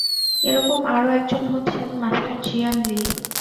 এরকম আরো একজন হচ্ছেন মাস্টার জিয়ান লি।